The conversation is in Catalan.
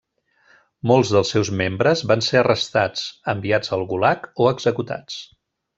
Molts dels seus membres van ser arrestats, enviats al Gulag o executats.